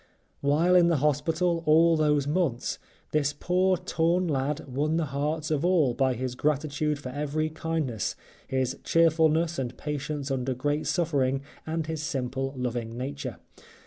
While in the hospital all those months this poor torn lad won the hearts of all by his gratitude for every kindness, his cheerfulness and patience under great suffering, and his simple loving nature.